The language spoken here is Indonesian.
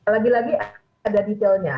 lagi lagi ada detailnya